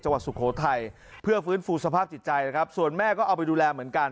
สุโขทัยเพื่อฟื้นฟูสภาพจิตใจนะครับส่วนแม่ก็เอาไปดูแลเหมือนกัน